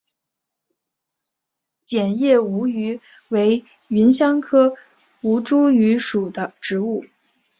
楝叶吴萸为芸香科吴茱萸属的植物。